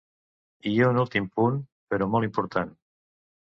I un últim punt, però molt important.